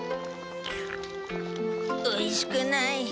おいしくない。